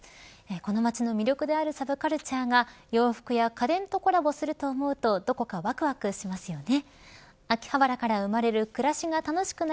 この街の魅力であるサブカルチャーが洋服や家電とコラボすると思うとどこか、わくわくしますよね。